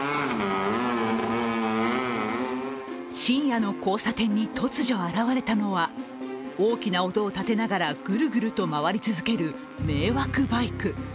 深夜の交差点に突如現れたのは大きな音を立てながらぐるぐると回り続ける迷惑バイク。